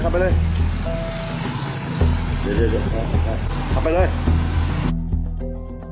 ขับไปเลยขับไปเลยเดี๋ยวขับไปเลย